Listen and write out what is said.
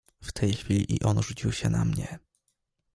"W tej chwili i on rzucił się na mnie."